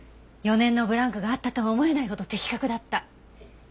４年のブランクがあったとは思えないほど的確だった。